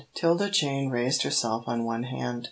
'Tilda Jane raised herself on one hand.